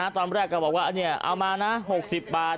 ตอนแรกก็บอกว่าเอามานะ๖๐บาท